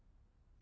あ。